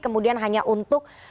kemudian hanya untuk